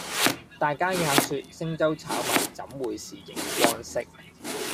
大家也說星洲炒米怎會是螢光色